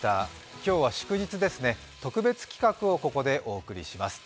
今日は祝日ですね、特別企画をここでお伝えします。